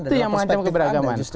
itu yang mengancam keberagaman